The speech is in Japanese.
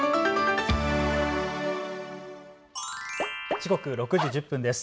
時刻６時１０分です。